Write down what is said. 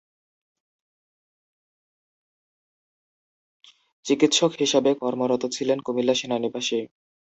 চিকিৎসক হিসেবে কর্মরত ছিলেন কুমিল্লা সেনানিবাসে।